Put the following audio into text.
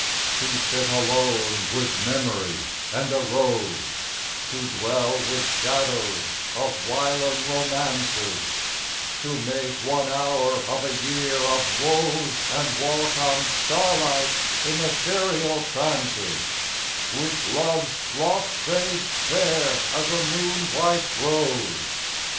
II To sit alone with memory and a rose; To dwell with shadows of whilom romances; To make one hour of a year of woes And walk on starlight, in ethereal trances, With love's lost face fair as a moon white rose.